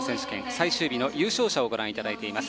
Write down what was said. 最終日の優勝者をご覧いただいています。